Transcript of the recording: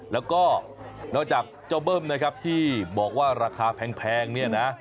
แล้วก็นอกจากเจ้าเบิ้มนะครับที่บอกว่าราคาแพงเนี่ยนะ